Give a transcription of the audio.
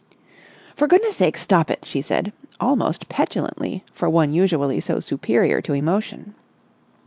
"For goodness sake stop it!" she said, almost petulantly for one usually so superior to emotion.